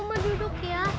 mama duduk ya